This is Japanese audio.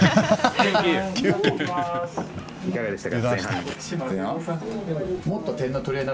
いかがでしたか。